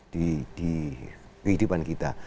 di kehidupan kita